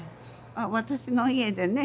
私の家でね